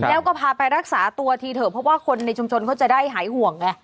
แล้วก็พาไปรักษาตัวทีเถอะเพราะว่าคนในชุมชนเขาจะได้หายห่วงไง